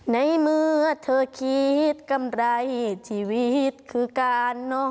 ในเมื่อเธอคิดกำไรชีวิตคือการน้อ